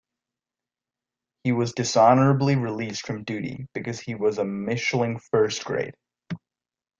He was dishonourably released from duty because he was a Mischling first grade.